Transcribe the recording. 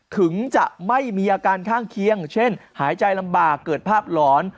ถึงจะไม่มีอาการข้างเคียงเช่นหายใจลำบากเกิดภาพหลอน